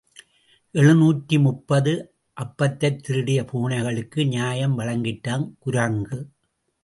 எழுநூற்று முப்பது அப்பத்தைத் திருடிய பூனைகளுக்கு நியாயம் வழங்கிற்றாம் குரங்கு.